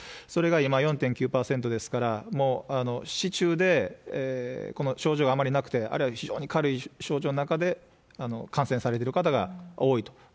それが今、４．９％ですから、もう市中で、症状があまりなくても、あるいは非常に軽い症状の中で、感染されてる方が多いと。